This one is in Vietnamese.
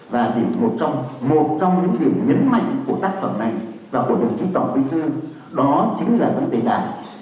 và một trong một trong những điểm nhấn mạnh của tác phẩm này và của đồng chí tổng bí thư đó chính là vấn đề đảng